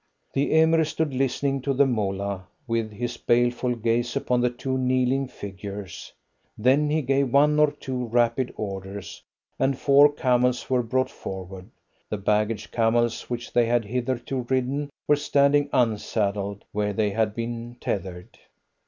The Emir stood listening to the Moolah, with his baleful gaze upon the two kneeling figures. Then he gave one or two rapid orders, and four camels were brought forward. The baggage camels which they had hitherto ridden were standing unsaddled where they had been tethered.